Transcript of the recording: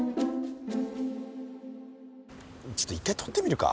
ちょっと一回取ってみるか？